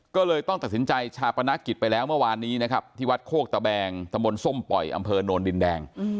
ก็เลยต้องตัดสินใจชาปนกิจไปแล้วเมื่อวานนี้นะครับที่วัดโคกตะแบงตะมนต์ส้มปล่อยอำเภอโนนดินแดง